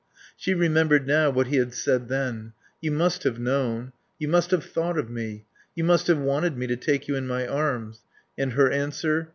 She remembered now what he had said then. "You must have known. You must have thought of me. You must have wanted me to take you in my arms." And her answer.